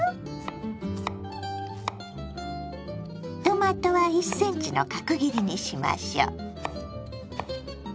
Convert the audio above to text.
トマトは１センチの角切りにしましょう。